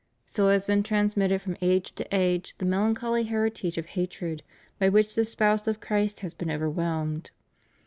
So has been transmitted from age to age the melancholy heritage of hatred by which the Spouse of Christ has been overwhelmed.